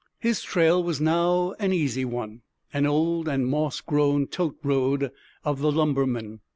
His trail was now an easy one, an old and moss grown "tote road" of the lumbermen.